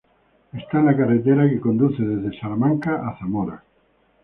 Está en la carretera que conduce desde Salamanca a Zamora.